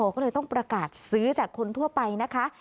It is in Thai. ก็เลยต้องประกาศซื้อจากคนทั่วไปนะคะ